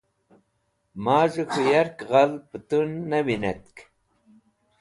Maz̃hẽ k̃hũ yark ghal pẽtũn ne winetk.